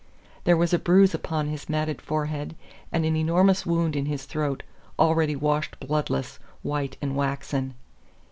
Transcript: There was a bruise upon his matted forehead and an enormous wound in his throat already washed bloodless, white, and waxen.